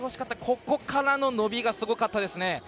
ここからの伸びがすごかったですね。